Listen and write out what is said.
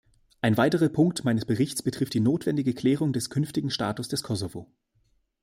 Ein weiterer Punkt meines Berichts betrifft die notwendige Klärung des künftigen Status des Kosovo.